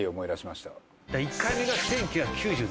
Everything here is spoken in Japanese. １回目が１９９７年。